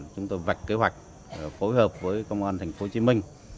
chúng tôi vạch kế hoạch phối hợp với công an thành phố hồ chí minh